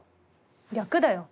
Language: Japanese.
略だよ。